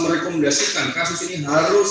merekomendasikan kasus ini harus